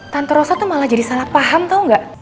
tante rosa tuh malah jadi salah paham tau gak